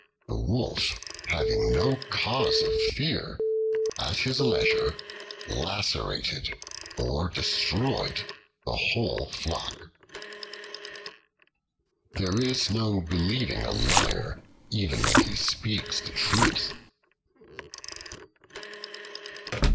The Wolf, having no cause of fear, at his leisure lacerated or destroyed the whole flock. There is no believing a liar, even when he speaks the truth.